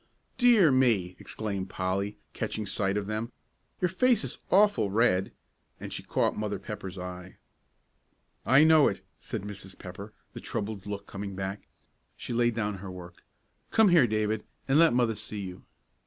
"Dear me!" exclaimed Polly, catching sight of them, "your face is awful red." And she caught Mother Pepper's eye. "I know it," said Mrs. Pepper, the troubled look coming back. She laid down her work. "Come here, David, and let Mother see you."